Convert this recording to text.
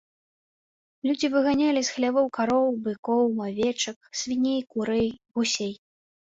Людзі выганялі з хлявоў кароў, быкоў, авечак, свіней, курэй, гусей.